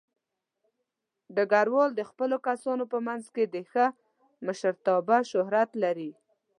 ډګروال د خپلو کسانو په منځ کې د ښه مشرتابه شهرت لري.